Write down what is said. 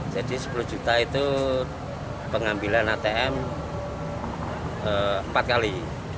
jadi sepuluh juta itu pengambilan atm empat kali